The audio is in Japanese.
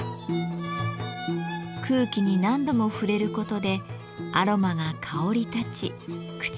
空気に何度も触れることでアロマが香り立ち口当たりもまろやかに。